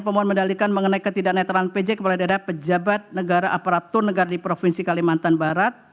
pemohon mendalikan mengenai ketidak netralan pj kepala daerah pejabat negara aparatur negara di provinsi kalimantan barat